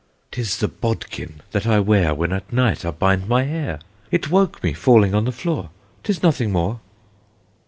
"'Tis the bodkin that I wear When at night I bind my hair; It woke me falling on the floor; 'Tis nothing more."